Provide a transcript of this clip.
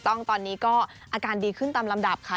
ต้องตอนนี้ก็อาการดีขึ้นตามลำดับค่ะ